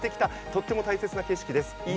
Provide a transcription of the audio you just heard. とっても大切な景色です。